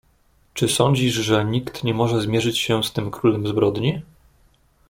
"Czy sądzisz, że nikt nie może zmierzyć się z tym królem zbrodni?"